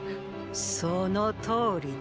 そのとおりだ。